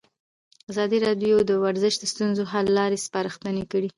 ازادي راډیو د ورزش د ستونزو حل لارې سپارښتنې کړي.